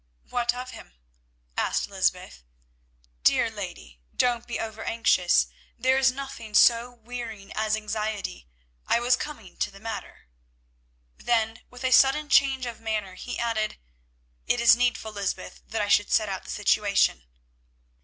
"What of him?" asked Lysbeth. "Dear lady, don't be over anxious; there is nothing so wearing as anxiety. I was coming to the matter." Then, with a sudden change of manner, he added, "It is needful, Lysbeth, that I should set out the situation."